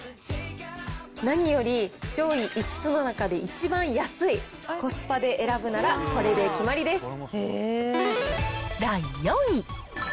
何より、上位５つの中で一番安い、コスパで選ぶなら、これで決まりです。